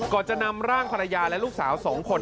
จะนำร่างภรรยาและลูกสาว๒คน